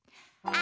あ！